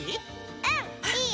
うんいいよ。